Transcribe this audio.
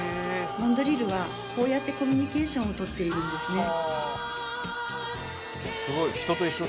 マンドリルはこうやってコミュニケーションをとっているんですね